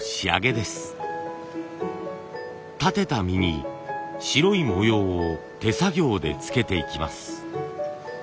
立てた実に白い模様を手作業でつけていきます。